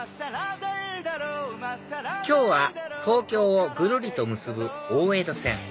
今日は東京をぐるりと結ぶ大江戸線